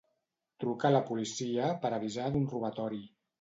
Truca a la policia per avisar d'un robatori.